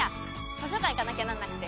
図書館行かなきゃならなくて。